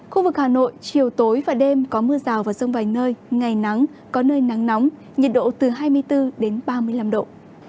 khu vực hà nội chiều tối và đêm có mưa rào và rông vài nơi ngày nắng có nơi nắng nóng nhiệt độ từ hai mươi bốn đến ba mươi năm độ